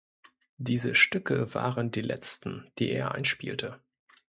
Diese Stücke waren die letzten, die er einspielte.